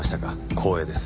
光栄です。